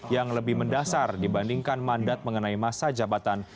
yang lebih mendasar dibandingkan mandat mengenai masa jabatan